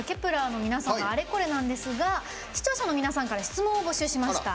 １ｅｒの皆さんのあれこれなんですが視聴者の皆さんから質問を募集しました。